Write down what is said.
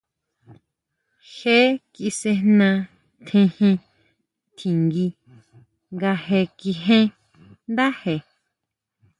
Je kisʼejna tsejen tjingui nga je kíjen ndáje.